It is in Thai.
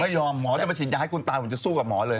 หมอจะมาฉีดยาให้คุณตายผมจะสู้กับหมอเลย